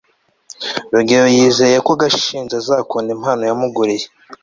rugeyo yizeye ko gashinzi azakunda impano yamuguriye